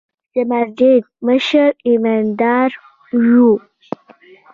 د مسجد مشر ايمانداره وي.